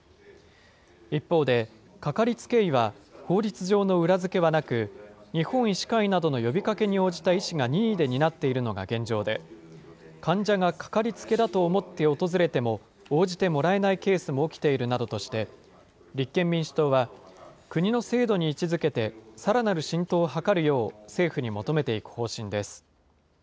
一方で、掛かりつけ医は法律上の裏付けはなく、日本医師会などの呼びかけに応じた医師が任意で担っているのが現状で、患者が掛かりつけだと思って訪れても、応じてもらえないケースも起きているなどとして、立憲民主党は、国の制度に位置づけて、さらなる浸透を図るよう政府に求めていく方針です。